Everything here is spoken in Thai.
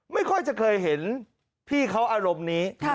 ไม่ค่อยจะเคยเห็นพี่เขาอารมณ์นี้